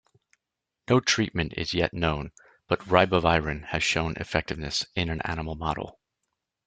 No treatment is yet known, but ribavirin has shown effectiveness in an animal model.